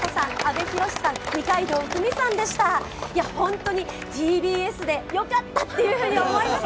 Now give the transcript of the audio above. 本当にＴＢＳでよかったというふうに思います。